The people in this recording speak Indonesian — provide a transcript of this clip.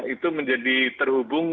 itu menjadi terhubung